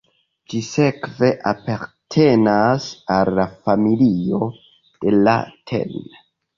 Ĝi sekve apartenas al la familio de la tn.